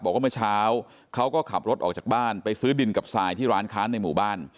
บอกว่าเมื่อเช้าเขาก็ขับรถออกจากบ้านไปซื้อดินกับทรายที่ร้านค้าในหมู่บ้าน